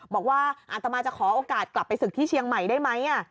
บอกว่าอาตมาจะขอโอกาสกลับไปศึกที่เชียงใหม่ได้ไหม